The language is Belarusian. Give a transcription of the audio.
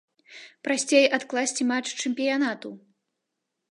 Прасцей адкласці матч чэмпіянату.